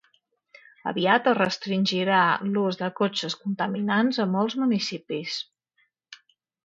Aviat es restringirà l'ús de cotxes contaminants a molts municipis.